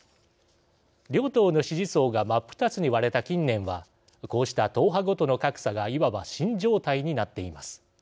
両党の支持層が真っ二つに割れた近年はこうした党派ごとの格差がいわば「新常態」になっています。